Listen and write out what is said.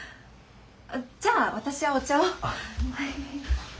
じゃあ私はお茶を。